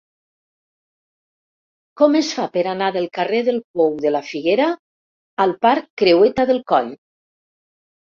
Com es fa per anar del carrer del Pou de la Figuera al parc Creueta del Coll?